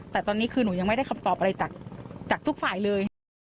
แต่ตอนนี้คือหนูยังไม่ได้คำตอบอะไรจากทุกฝ่ายเลย